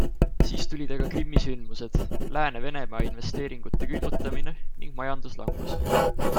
Siis aga tulid Krimmi sündmused, lääne Venemaa-investeeringute külmutamine ning majanduslangus.